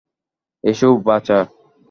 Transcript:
এসো, বাছা।